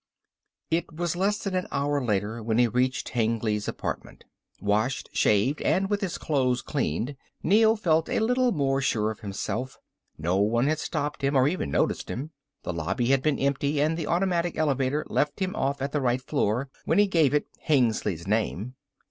It was less than an hour later when he reached Hengly's apartment. Washed, shaved and with his clothes cleaned Neel felt a little more sure of himself. No one had stopped him or even noticed him. The lobby had been empty and the automatic elevator left him off at the right floor when he gave it Hengly's name.